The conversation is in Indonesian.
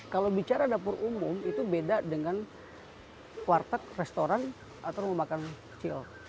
kalau bicara dapur umum itu beda dengan kuartet restoran atau memakan kecil